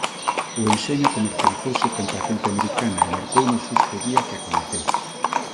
O enxeño comercializouse con patente americana e mercouno xusto o día que a coñeceu.